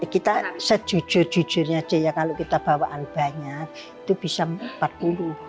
kita sejujur jujurnya aja ya kalau kita bawaan banyak itu bisa rp empat puluh